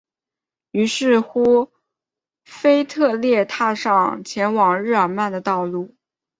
于是乎腓特烈踏上前往日尔曼的道路。